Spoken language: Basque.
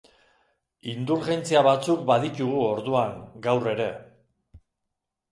Indulgentzia batzuk baditugu orduan gaur ere.